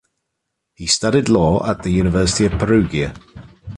He studied law at the University of Perugia.